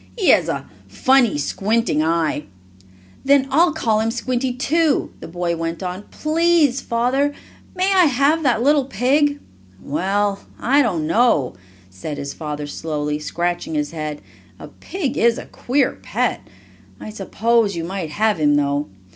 "He has a funny, squinting eye." "Then I'll call him Squinty, too," the boy went on. "Please, Father, may I have that little pig?" "Well, I don't know," said his father slowly, scratching his head. "A pig is a queer pet. I suppose you might have him, though.